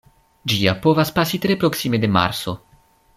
Ĝia povas pasi tre proksime de Marso.